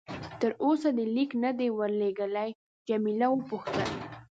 تر اوسه دې لیک نه دی ورلېږلی؟ جميله وپوښتل.